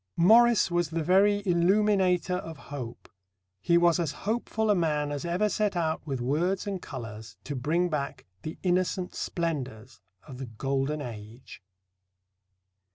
Morris was the very illuminator of hope. He was as hopeful a man as ever set out with words and colours to bring back the innocent splendours of the Golden Age.